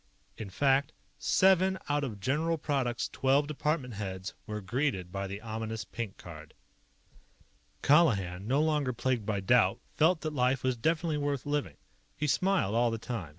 In fact, seven out of General Product's twelve department heads were greeted by the ominous pink card. Colihan, no longer plagued by doubt, felt that life was definitely worth living. He smiled all the time.